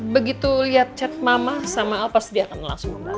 begitu liat chat mama sama al pasti dia akan langsung membahas